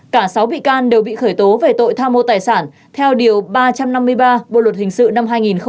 cả sáu bị can đều bị khởi tố về tội tham mô tài sản theo điều ba trăm năm mươi ba bộ luật hình sự năm hai nghìn một mươi năm